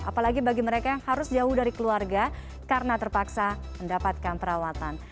apalagi bagi mereka yang harus jauh dari keluarga karena terpaksa mendapatkan perawatan